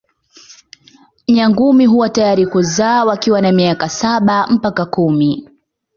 Nyangumi huwa tayari kuzaa wakiwa na miaka saba mpaka kumi.